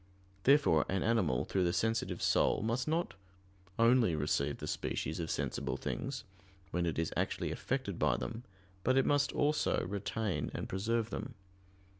Therefore an animal through the sensitive soul must not only receive the species of sensible things, when it is actually affected by them, but it must also retain and preserve them.